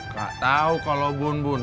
gak tau kalau bun bun